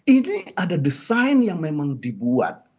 ini ada desain yang memang dibuat